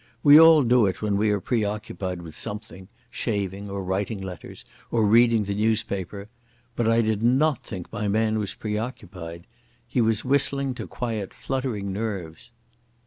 We all do it when we are preoccupied with something—shaving, or writing letters, or reading the newspaper. But I did not think my man was preoccupied. He was whistling to quiet fluttering nerves.